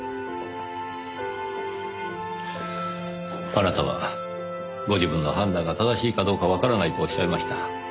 あなたはご自分の判断が正しいかどうかわからないとおっしゃいました。